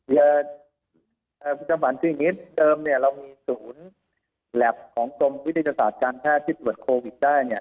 พุทธภัณฑ์ชื่ออีกนิดเดิมเรามีศูนย์แหลบของกรมวิทยาศาสตร์การแพทย์ที่ตรวจโควิดได้